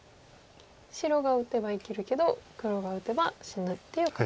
白が打てば生きるけど黒が打てば死ぬっていう形。